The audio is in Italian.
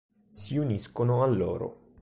Si uniscono a loro.